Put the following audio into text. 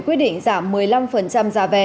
quyết định giảm một mươi năm giá vé